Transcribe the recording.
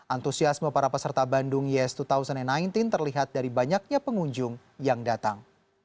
antusiasme para peserta bandung yes dua ribu sembilan belas terlihat dari banyaknya pengunjung yang datang